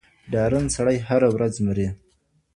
ډارن سړی هره ورځ مري.